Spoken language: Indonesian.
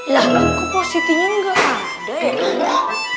lah kok positinya nggak ada ya